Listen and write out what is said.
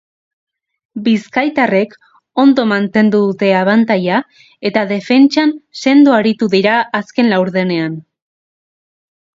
Bizkaitarrek ondo mantendu dute abantaila eta defentsan sendo aritu dira azken laurdenean.